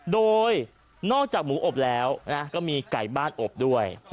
โดยนอกจากหมูอบแล้วก็มีไก่บ้านอบด้วย